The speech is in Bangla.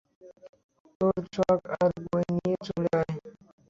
তোর চক আর বই নিয়ে চলে আয়।